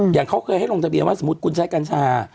อย่างเขาเคยให้ลงทะเบียนว่าสมมุติคุณใช้กัญชา